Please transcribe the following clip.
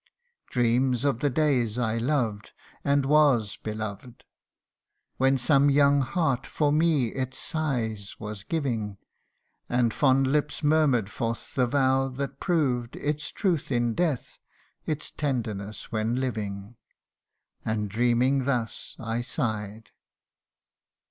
Dreams of the days I loved, and was beloved When some young heart for me its sighs was giving, And fond lips murmur'd forth the vow that proved Its truth in death, its tenderness when living : And dreaming thus, I sigh'd.